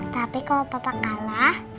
tapi kalau papa kalah